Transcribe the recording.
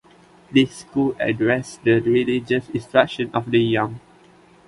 These schools addressed the religious instruction of the young.